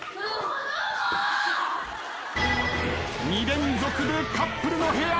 ２連続でカップルの部屋。